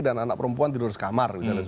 dan anak perempuan tidur di kamar